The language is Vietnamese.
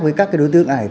với các đối tượng ải